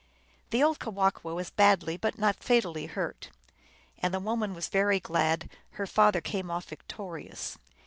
The old Kewahqu was badly but not fatally hurt, and the woman was very glad her father came off vic torious.